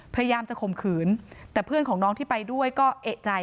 พยายามจะข่มขืนแต่เพื่อนของน้องที่ไปด้วยก็เอกใจ